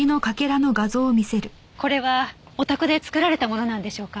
これはお宅で作られたものなんでしょうか？